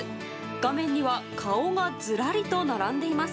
画面には顔がずらりと並んでいます。